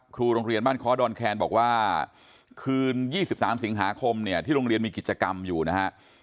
ครูโรงเรียนบ้านค้อดอนแคนบอกว่าคืน๒๓สิงหาคมเนี่ยที่โรงเรียนมีกิจกรรมอยู่นะฮะ